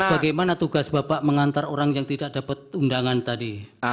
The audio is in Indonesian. bagaimana tugas bapak mengantar orang yang tidak dapat undangan tadi